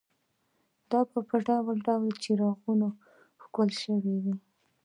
دا په ډول ډول څراغونو ښکلې شوې وې.